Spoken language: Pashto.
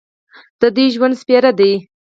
د دوی ژوند سپېره دی.